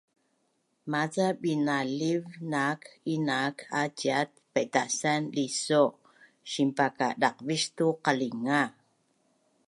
Maca binaliv i nak a ciat paitasan Iiso sinpakadaqvis tu qalinga